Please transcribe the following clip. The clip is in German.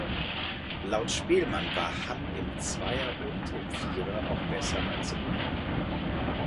Laut Spelman war Hamm im Zweier und im Vierer auch besser als im Einer.